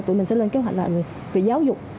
tụi mình sẽ lên kế hoạch về giáo dục